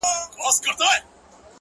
• ورځ دي په اوښکو شپه دي ناښاده ,